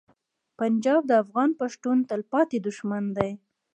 پنجاب د افغان پښتون تلپاتې دښمن دی.